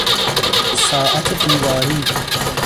ساعت دیواری